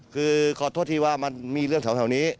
คือก็ขอโทษที่ว่ามันมีเรื่องเท่าถึงแถวนี้